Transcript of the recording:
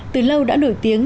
từ lâu đã nổi tiếng